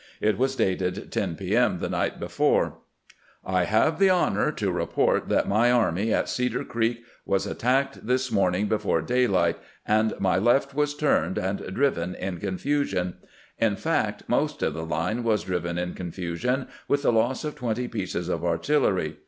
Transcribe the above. It was dated 10 p. m. the night before :"' I have the honor to report that my army at Cedar Creek was attacked this morning before daylight, and my left was turned and driven in confusion ; in fact, most of the line was driven in confusion, with the loss of twenty pieces of artillery.